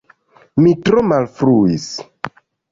Mi tro malfruis!